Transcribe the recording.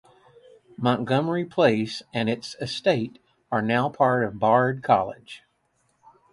Montgomery Place and its estate are now part of Bard College.